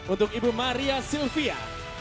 untuk ibu maria sylvia